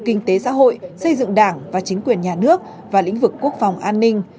kinh tế xã hội xây dựng đảng và chính quyền nhà nước và lĩnh vực quốc phòng an ninh